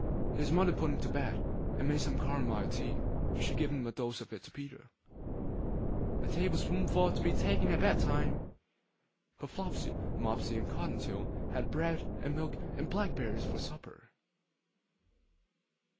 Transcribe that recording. His mother put him to bed, and made some camomile tea; and she gave a dose of it to Peter! 'One table spoonful to be taken at bed time.' But Flopsy, Mopsy, and Cotton tail had bread and milk and blackberries for supper.